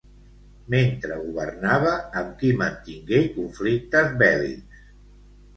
Mentre governava, amb qui mantingué conflictes bèl·lics?